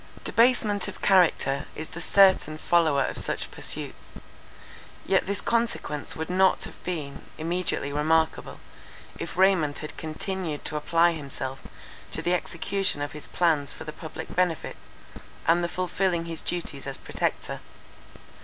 Debasement of character is the certain follower of such pursuits. Yet this consequence would not have been immediately remarkable, if Raymond had continued to apply himself to the execution of his plans for the public benefit, and the fulfilling his duties as Protector.